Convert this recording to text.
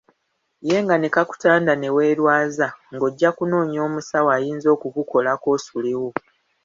Ye nga ne kakutanda ne weerwaza, ng'ojja kunoonya omusawo ayinza okukukolako osulewo.